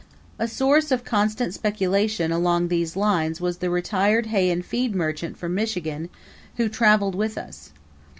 A source of constant speculation along these lines was the retired hay and feed merchant from Michigan who traveled with us.